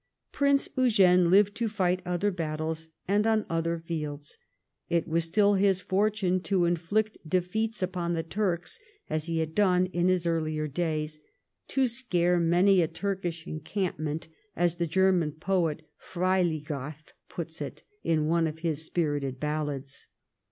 Prince Eugene Hved to fight other battles, and on other fields. It was stiU his fortune to inflict defeats upon the Turks, as he had done in his earher days — to scare many a Turkish encampment, as the German poet PreiUgrath puts it, in one of his spirited ballads.